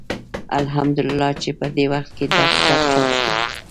الحمد لله چې په دې وخت کې دا کتاب چاپ شو.